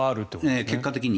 結果的に。